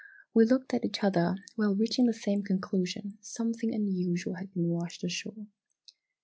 "We looked at each other, while reaching the same conclusion something unusual had been washed ashore!